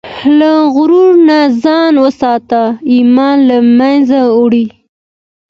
له غرور نه ځان وساته، ایمان له منځه وړي.